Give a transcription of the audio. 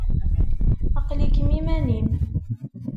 Aql-ikem iman-im.